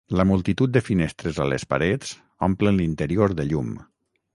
La multitud de finestres a les parets omplen l'interior de llum.